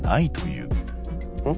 うん？